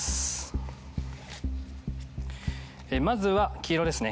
まずは黄色ですね。